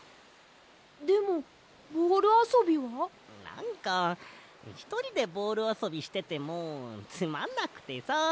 なんかひとりでボールあそびしててもつまんなくてさ！